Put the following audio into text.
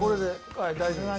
はい大丈夫です。